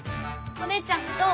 お姉ちゃんどう？